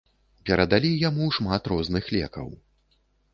Перадалі яму шмат розных лекаў.